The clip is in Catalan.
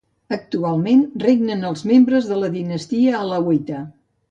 Actualment regnen els membres de la Dinastia alauita.